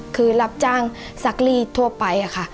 คือรับจ้างซักรีดทั่วไปค่ะ